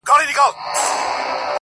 خدايه سندرو کي مي ژوند ونغاړه.